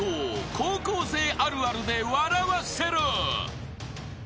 高校生あるあるで笑わせろ］